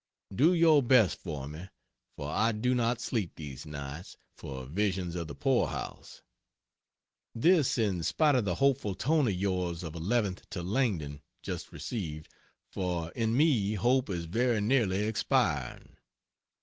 Do your best for me, for I do not sleep these nights, for visions of the poor house. This in spite of the hopeful tone of yours of 11th to Langdon (just received) for in me hope is very nearly expiring.